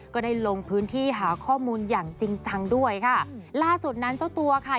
ก็ได้ลงพื้นที่หาข้อมูลอย่างจริงจังด้วยค่ะล่าสุดนั้นเจ้าตัวค่ะ